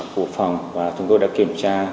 của phòng và chúng tôi đã kiểm tra